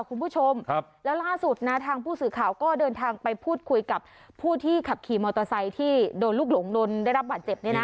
คุณผู้ชมครับแล้วล่าสุดนะทางผู้สื่อข่าวก็เดินทางไปพูดคุยกับผู้ที่ขับขี่มอเตอร์ไซค์ที่โดนลูกหลงลนได้รับบาดเจ็บเนี่ยนะ